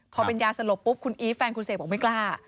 พอเป็นยาสลบปุ๊บคุณอีฟแฟนคุณเสกบอกไม่กล้า